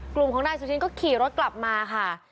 กลุ่มของนายสุชินก็ขี่รถกลับมาค่ะ